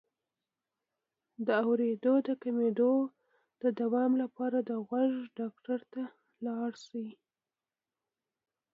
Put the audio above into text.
د اوریدو د کمیدو د دوام لپاره د غوږ ډاکټر ته لاړ شئ